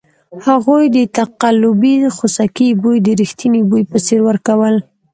هغوی د تقلبي خوسکي بوی د ریښتني بوی په څېر ورکول.